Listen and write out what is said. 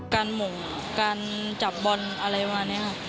การหมงการจับบอลอะไรว่านี้ครับ